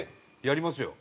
やりますよ。